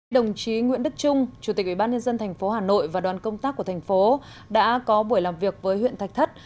đồng chí nguyễn đức trung chủ tịch ubnd tp hà nội và đoàn công tác của thành phố đã có buổi làm việc với huyện thạch thất